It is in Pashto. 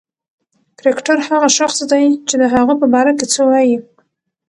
کرکټر هغه شخص دئ، چي د هغه په باره کښي څه وايي.